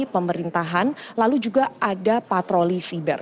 pemerintahan lalu juga ada patroli siber